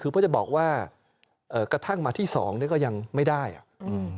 คือเพื่อจะบอกว่าเอ่อกระทั่งมาที่สองเนี้ยก็ยังไม่ได้อ่ะอืม